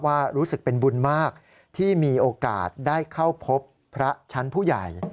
รู้สึกเป็นบุญมากที่มีโอกาสได้เข้าพบพระชั้นผู้ใหญ่